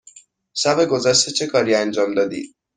شب گذشته چه کاری انجام دادی؟